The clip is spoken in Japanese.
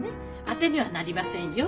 当てにはなりませんよ。